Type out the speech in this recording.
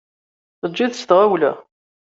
Tejjiḍ s tɣawla.